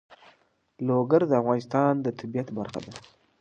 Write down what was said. لوگر د افغانستان د طبیعت برخه ده.